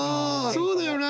そうだよな